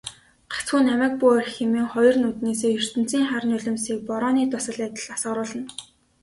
"Гагцхүү намайг бүү орхи" хэмээн хоёр нүднээсээ ертөнцийн хар нулимсыг борооны дусал адил асгаруулна.